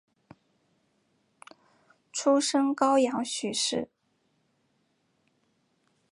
出身高阳许氏。